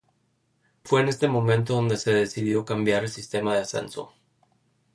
Fue en este momento donde se decidió cambiar el sistema de ascenso.